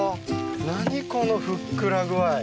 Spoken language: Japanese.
何このふっくら具合！